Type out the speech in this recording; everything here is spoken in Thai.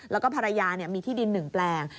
แล้วก็ภรรยามีที่ดิน๑แปลง